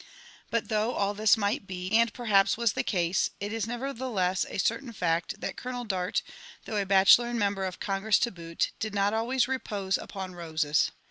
But though all this might be, and perhaps was the case, it is nevertheless a certain fact, that Colonel Dart, though a bachelor and member of Congress to boot, did not always repose upon roses.